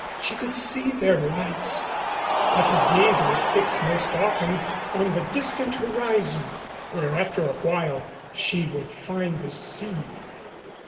She could see their lights, but her gaze was fixed most often on the distant horizon, where after a while she would find the sea.